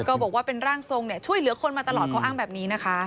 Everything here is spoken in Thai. ก็บอกว่าเป็นร่างทรงเนี่ยช่วยเหลือคนมาตลอดเขาอ้างแบบนี้นะคะ